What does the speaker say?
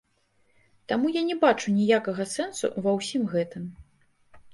Таму я не бачу ніякага сэнсу ва ўсім гэтым.